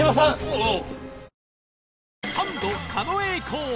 おう。